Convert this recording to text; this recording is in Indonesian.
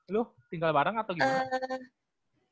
loh tinggal bareng atau gimana